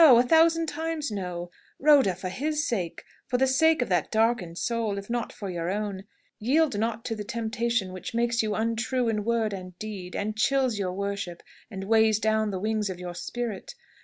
A thousand times, no! Rhoda, for his sake for the sake of that darkened soul, if not for your own yield not to the temptation which makes you untrue in word and deed, and chills your worship, and weighs down the wings of your spirit!